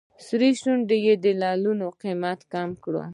سرو شونډو یې د لعلونو قیمت کم کړ.